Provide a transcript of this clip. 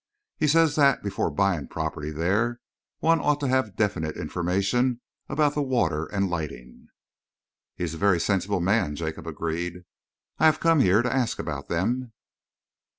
He says that, before buying property there, one ought to have definite information about the water and lighting." "He is a very sensible man," Jacob agreed. "I have come here to ask about them."